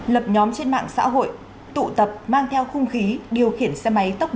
lập nhóm trên mạng xã hội tụ tập mang theo khung khí điều khiển xe máy tốc độ